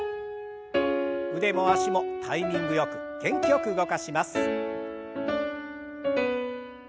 腕も脚もタイミングよく元気よく動かします。